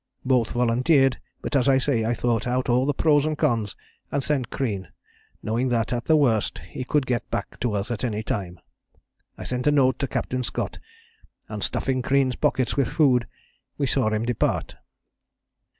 Both volunteered, but as I say, I thought out all the pros and cons and sent Crean, knowing that, at the worst, he could get back to us at any time. I sent a note to Captain Scott, and, stuffing Crean's pockets with food, we saw him depart.